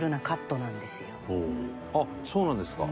あっそうなんですか？